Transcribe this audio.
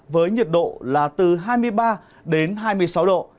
với nhiệt độ là từ hai mươi ba đến hai mươi sáu độ